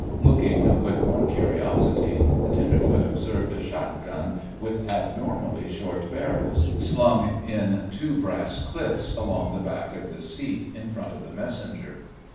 Looking with more curiosity, the tenderfoot observed a shot gun with abnormally short barrels, slung in two brass clips along the back of the seat in front of the messenger.